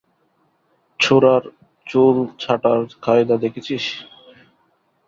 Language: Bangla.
ছোড়ার চুল ছাঁটার কায়দা দেখেছিস!